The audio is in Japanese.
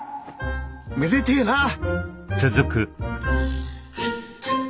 めでてえなぁ。